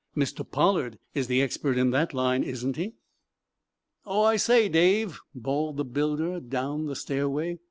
"Mr. Pollard is the expert in that line, isn't he?" "Oh, I say, Dave," bawled the builder down the stairway.